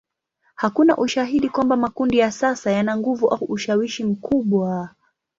Hakuna ushahidi kwamba makundi ya sasa yana nguvu au ushawishi mkubwa.